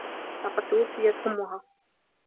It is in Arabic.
لقد توفّيت أمّها.